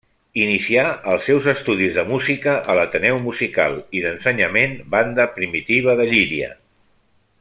Inicià els seus estudis de música a l'Ateneu musical i d'ensenyament Banda Primitiva de Llíria.